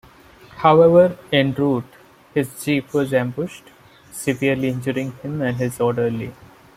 However en route, his jeep was ambushed, severely injuring him and his orderly.